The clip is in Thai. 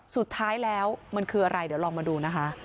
สุดท้ายแล้วมันคืออะไรเดี๋ยวลองมาดูนะคะ